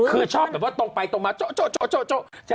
คือชอบแบบว่าตรงไปตรงมาโจ๊ะ